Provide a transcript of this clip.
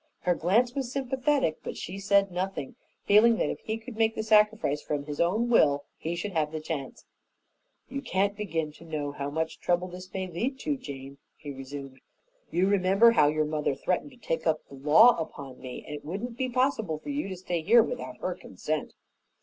Her glance was sympathetic, but she said nothing, feeling that if he could make the sacrifice from his own will he should have the chance. "You can't begin to know how much trouble this may lead to, Jane," he resumed. "You remember how your other threatened to take the law upon me, and it wouldn't be possible for you to stay here without her consent."